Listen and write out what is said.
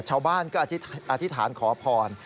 ชาวบ้านก็อธิษฐานขอพร